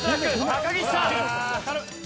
高岸さん。